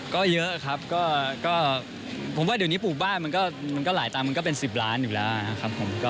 ก็เยอะครับก็ผมว่าเดี๋ยวนี้ปลูกบ้านมันก็หลายตังค์มันก็เป็น๑๐ล้านอยู่แล้วนะครับผม